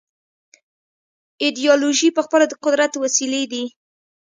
ایدیالوژۍ پخپله د قدرت وسیلې دي.